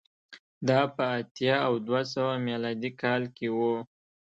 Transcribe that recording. دا په اتیا او دوه سوه میلادي کال کې و